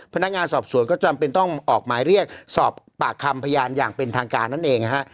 พนักงานสอบสวนก็จำเป็นต้องออกหมายเรียกสอบปากคำพยานอย่างเป็นทางการนั่นเองนะฮะ